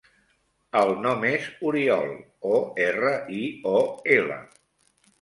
El nom és Oriol: o, erra, i, o, ela.